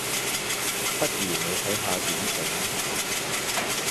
不如你睇下點整